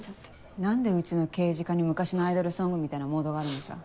何でうちの刑事課に昔のアイドルソングみたいなモードがあるのさ。